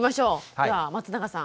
では松永さん。